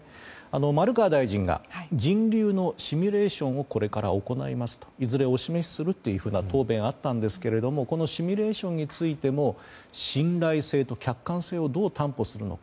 丸川大臣が人流のシミュレーションをこれから行いますといずれお示すするというような答弁があったんですがこのシミュレーションについての信頼性と客観性をどう担保するのか。